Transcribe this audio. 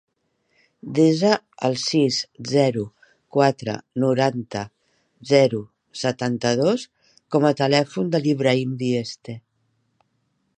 Desa el sis, zero, quatre, noranta, zero, setanta-dos com a telèfon de l'Ibrahim Dieste.